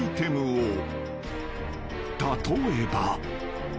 ［例えば］